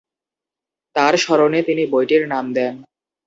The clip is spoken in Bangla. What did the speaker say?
তার স্মরণে তিনি বইটির নাম দেন।